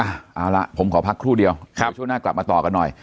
เอาล่ะผมขอพักครู่เดียวเดี๋ยวช่วงหน้ากลับมาต่อกันหน่อย